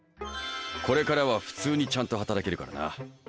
これからは普通にちゃんと働けるからな。